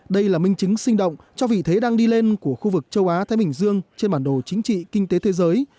đây là minh chứng sinh động cho vị thế đang đi lên của khu vực châu á thái bình dương trên bản đồ chính trị kinh tế thế giới